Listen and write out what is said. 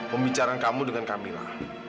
pembicaraan kamu dengan camilla